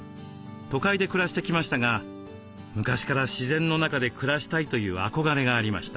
都会で暮らしてきましたが昔から自然の中で暮らしたいという憧れがありました。